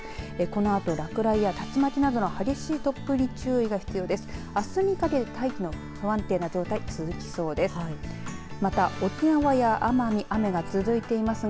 このあと、落雷や竜巻などの激しい突風に注意が必要です。